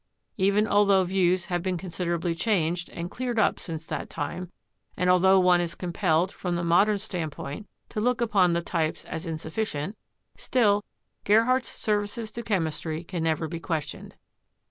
Even altho views have been considerably changed and cleared up since that time, and altho one is compelled, from the modern standpoint, to look upon the types as in sufficient, still Gerhardt's services to chemistry can never be questioned.